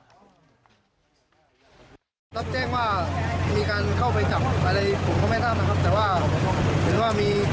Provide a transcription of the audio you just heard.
รถพ่วงที่เราเห็นอยู่ในขณะนี้